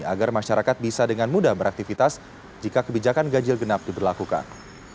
agar masyarakat bisa dengan mudah beraktivitas jika kebijakan ganjil genap diberlakukan